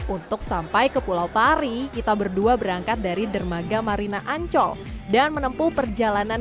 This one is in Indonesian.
untuk sampai ke pulau pari kita berdua berangkat dari dermaga marina ancol dan menempuh perjalanan